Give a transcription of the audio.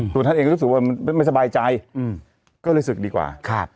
ตัวท่านเองก็รู้สึกว่ามันไม่สบายใจก็เลยศึกดีกว่า